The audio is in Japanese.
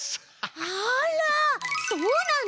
あらそうなの？